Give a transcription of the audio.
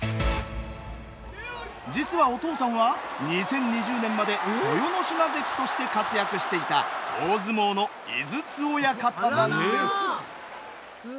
実は、お父さんは２０２０年まで豊ノ島関として活躍していた大相撲の井筒親方なんです。